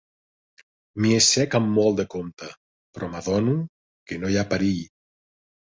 M'hi assec amb molt de compte, però m'adono que no hi ha perill.